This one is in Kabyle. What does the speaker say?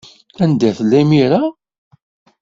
Anda tella imir-a?